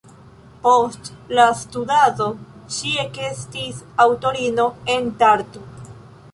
Post la studado ŝi ekestis aŭtorino en Tartu.